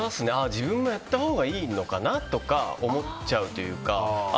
自分もやったほうがいいのかなとか思っちゃうというか。